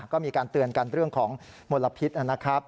ก็มีการเตือนกันเรื่องของมลพิษนะครับ